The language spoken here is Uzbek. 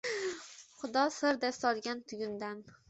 Xudo «sir» deb solgan tugundan.